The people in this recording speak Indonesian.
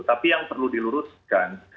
tapi yang perlu diluruskan